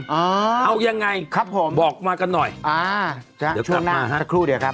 หัวหน้าครบถอบมากันหน่อยอะไรครูเดียครับ